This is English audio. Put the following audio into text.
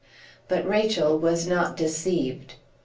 But Rachel was not deceived.